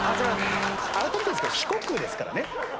改めてですけど四国ですからね？